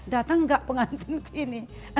datang gak pengantinku ini